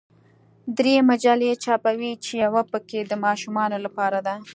درې مجلې چاپوي چې یوه پکې د ماشومانو لپاره ده.